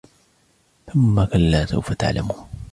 ثُمَّ كَلَّا سَوْفَ تَعْلَمُونَ